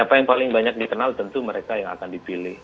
siapa yang paling banyak dikenal tentu mereka yang akan dipilih